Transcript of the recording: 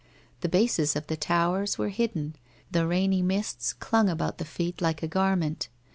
The bases of the towers were hidden, the rainy mists clung about the feet like a garment.